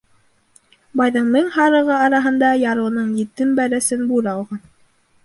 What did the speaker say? Байҙың мең һарығы араһында ярлының етем бәрәсен бүре алған.